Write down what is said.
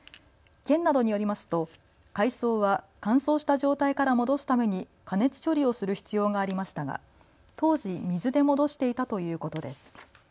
県などによりますと海藻は乾燥した状態から戻すために加熱処理をする必要がありましたが当時、水で戻していたということです。